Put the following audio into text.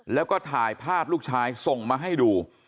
แล้วก็ถ่ายภาพลูกชายส่งมาให้ดู